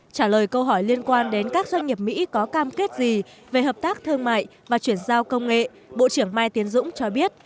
trả lời câu hỏi liên quan đến các doanh nghiệp mỹ có cam kết gì về hợp tác thương mại và chuyển giao công nghệ bộ trưởng mai tiến dũng cho biết